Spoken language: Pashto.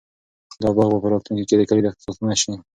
دا باغ به په راتلونکي کې د کلي د اقتصاد ستنه شي.